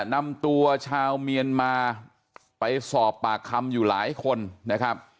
นำตัวชาวเมียนมาไปสอบปากคำอยู่หลายคนนะครับ